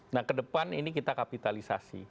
nah ke depan ini kita kapitalisasi